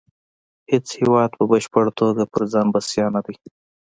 هیڅ هیواد په بشپړه توګه په ځان بسیا نه دی